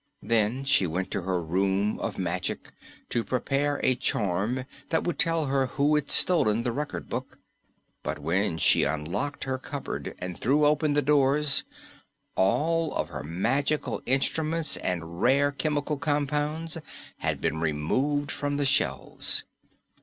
Then she went to her Room of Magic to prepare a charm that would tell her who had stolen the Record Book. But when she unlocked her cupboard and threw open the doors, all of her magical instruments and rare chemical compounds had been removed from the shelves.